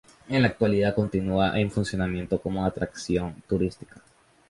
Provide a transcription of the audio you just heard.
En la actualidad continúa en funcionamiento como atracción turística.